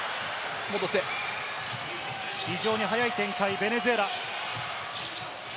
非常に速い展開、ベネズエラ。